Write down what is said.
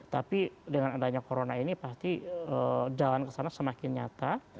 tapi dengan adanya corona ini pasti jalan kesana semakin nyata